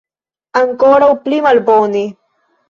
Ankoraŭ pli malbone.